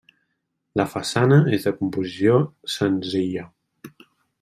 La façana és de composició senzilla.